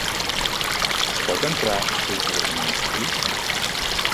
Es pot entrar o sortir dels municipis?